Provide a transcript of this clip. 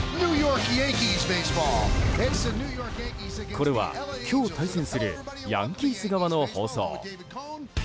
これは今日、対戦するヤンキース側の放送。